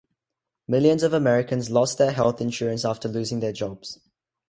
Millions of Americans lost their health insurance after losing their jobs.